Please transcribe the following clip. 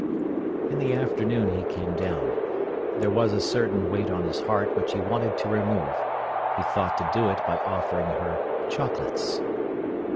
In the afternoon he came down. There was a certain weight on his heart which he wanted to remove. He thought to do it by offering her chocolates.